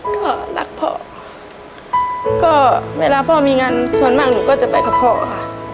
ก็รักพ่อก็เวลาพ่อมีงานส่วนมากหนูก็จะไปกับพ่อค่ะ